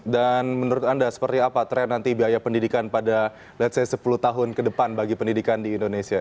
dan menurut anda seperti apa tren nanti biaya pendidikan pada let's say sepuluh tahun ke depan bagi pendidikan di indonesia